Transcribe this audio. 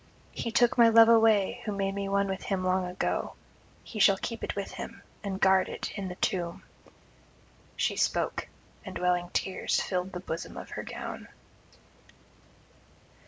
He took my love away who made me one with him long ago; he shall keep it with him, and guard it in the tomb.' She spoke, and welling tears filled the bosom of her gown.